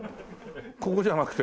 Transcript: ここじゃなくて？